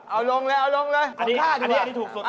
เอาลงเลยขอค่าดีกว่า